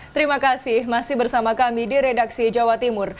terima kasih masih bersama kami di redaksi jawa timur